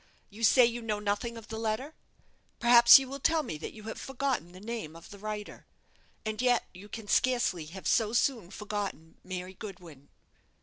You say you know nothing of the letter? Perhaps you will tell me that you have forgotten the name of the writer. And yet you can scarcely have so soon forgotten Mary Goodwin."